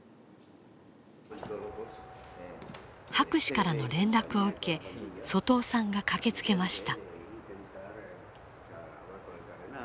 博士からの連絡を受け外尾さんが駆けつけました。